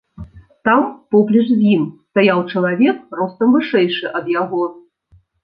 Там, поплеч з ім, стаяў чалавек, ростам вышэйшы ад яго.